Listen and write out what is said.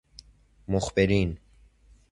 مخبرین